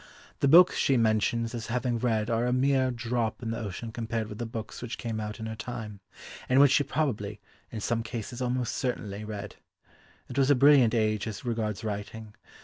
The books she mentions as having read are a mere drop in the ocean compared with the books which came out in her time, and which she probably, in some cases almost certainly, read. It was a brilliant age as regards writing.